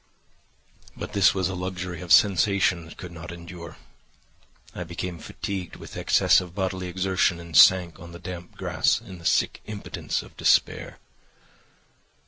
"But this was a luxury of sensation that could not endure; I became fatigued with excess of bodily exertion and sank on the damp grass in the sick impotence of despair.